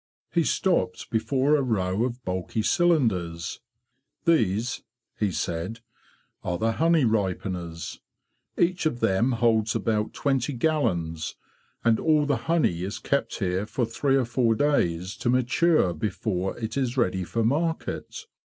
'' He stopped before a row of bulky cylinders. '' These,'"' he said, '' are the honey ripeners. Each of them holds about twenty gallons, and all the honey is kept here for three or four days to mature before it is ready for market.